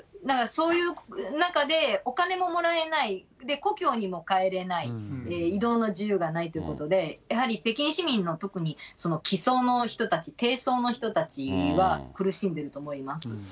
だからそういう中で、お金ももらえない、で故郷にも帰れない、移動の自由がないということで、やはり北京市民の、特にきそうの人たち、低層の人たちは、苦しんでると思います。